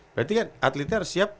berarti kan atletnya harus siap